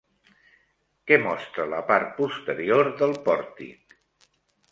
Què mostra la part posterior del pòrtic?